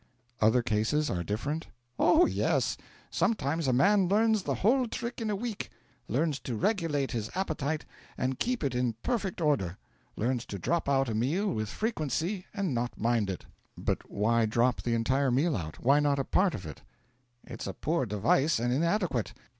'Other cases are different?' 'Oh yes. Sometimes a man learns the whole trick in a week. Learns to regulate his appetite and keep it in perfect order. Learns to drop out a meal with frequency and not mind it.' 'But why drop the entire meal out? Why not a part of it?' 'It's a poor device, and inadequate.